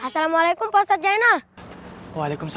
assalamualaikum pastor jainal